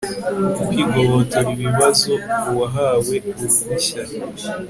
kwigobotora ibibazo uwahawe uruhushya